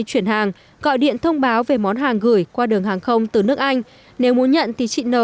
chuyển hàng gọi điện thông báo về món hàng gửi qua đường hàng không từ nước anh nếu muốn nhận thì chị nờ